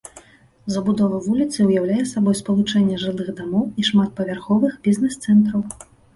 Забудова вуліцы ўяўляе сабой спалучэнне жылых дамоў і шматпавярховых бізнес-центраў.